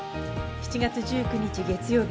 ７月１９日、月曜日。